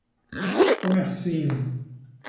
Comercinho